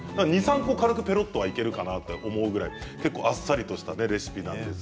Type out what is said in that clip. ２、３個軽くペロッといけるかなっていうくらいあっさりとしたレシピなんです。